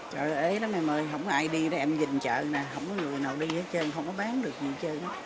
không có người nào đi hết trơn không có bán được gì hết trơn